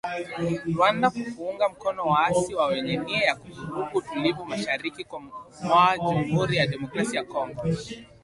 Rwanda kwa kuunga mkono waasi wa wenye nia ya kuvuruga utulivu mashariki mwa Jamuhuri ya Demokrasia ya Kongo